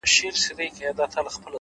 علم د وخت ارزښت ښيي’